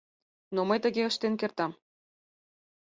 Но мый тыге ыштен кертам.